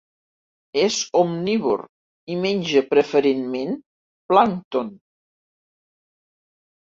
És omnívor i menja preferentment plàncton.